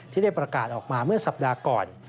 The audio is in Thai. ได้ประกาศออกมาเมื่อสัปดาห์ก่อน